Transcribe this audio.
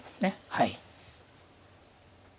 はい。